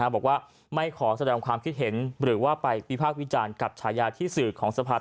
บอกว่าไม่ขอแสดงความคิดเห็นหรือว่าไปวิพากษ์วิจารณ์กับฉายาที่สื่อของสภา